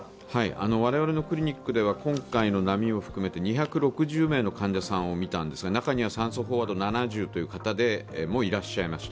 我々のクリニックでは今回の波を含めて２６０名の患者さんを診たんですが中には酸素飽和度７０という方もいらっしゃいました。